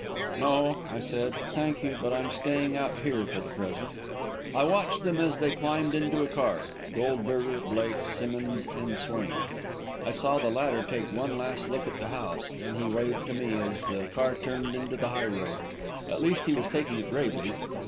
"No," I said, "thank you; but I'm staying out here for the present." I watched them as they climbed into a car Goldberger, Blake, Simmonds and Swain; I saw the latter take one last look at the house; then he waved to me, as the car turned into the highroad at least, he was taking it bravely!